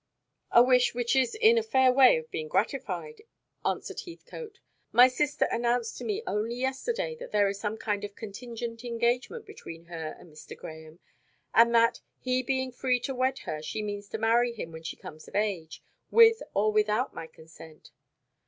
"A wish which is in a fair way of being gratified," answered Heathcote. "My sister announced to me only yesterday that there is some kind of contingent engagement between her and Mr. Grahame; and that, he being free to wed her, she means to marry him when she comes of age, with or without my consent."